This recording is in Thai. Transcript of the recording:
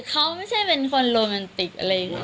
เขาไม่ใช่เป็นคนโรแมนติกอะไรอย่างนี้